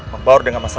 membaur dengan masalah